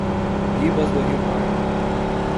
Ribas do Rio Pardo